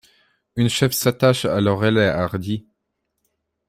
Une chèvre s'attache à Laurel et Hardy.